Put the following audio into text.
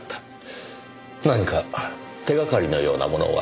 何か手掛かりのようなものは？